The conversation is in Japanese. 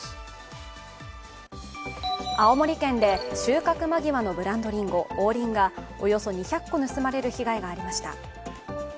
青森県で収穫間際のブランドりんご、王林がおよそ２００個盗まれる被害がありました。